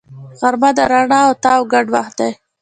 غرمه د رڼا او تاو ګډ وخت دی